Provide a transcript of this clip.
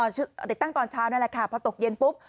ติดตั้งตอนเช้านั่นแหละค่ะพอตกเย็นปุ๊บ